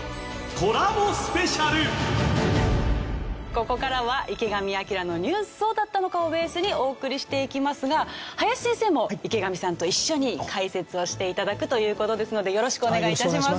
ここからは『池上彰のニュースそうだったのか！！』をベースにお送りしていきますが林先生も池上さんと一緒に解説をして頂くという事ですのでよろしくお願い致します。